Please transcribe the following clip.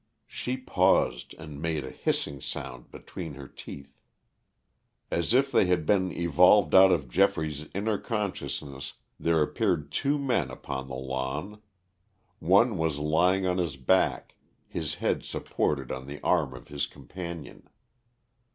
She paused and made a hissing sound between her teeth. As if they had been evolved out of Geoffrey's inner consciousness, there appeared two men upon the lawn One was lying on his back, his head supported on the arm of his companion.